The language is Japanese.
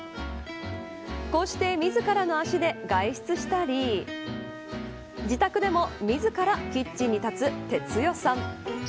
こうして、自らの足で外出したり自宅でも自らキッチンに立つ哲代さん。